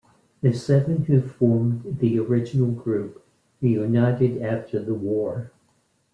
The seven who formed the original group reunited after the war.